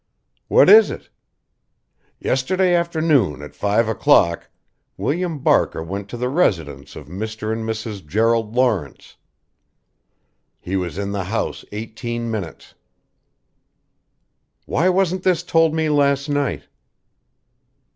"What is it?" "Yesterday afternoon at five o'clock William Barker went to the residence of Mr. and Mrs. Gerald Lawrence. He was in the house eighteen minutes." "Why wasn't this told me last night?"